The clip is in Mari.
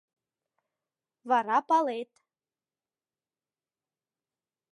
Вара палет...